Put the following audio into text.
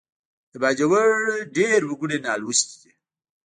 د باجوړ ډېر وګړي نالوستي دي